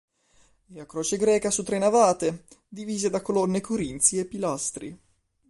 È a croce greca su tre navate, divise da colonne corinzie e pilastri.